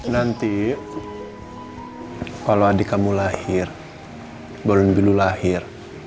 nanti kalau adik kamu lahir baru nino lahir